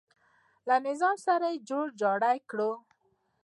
له نظام سره یې جوړ جاړی کړی.